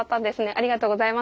ありがとうございます。